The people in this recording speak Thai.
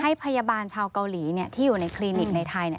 พยาบาลชาวเกาหลีที่อยู่ในคลินิกในไทย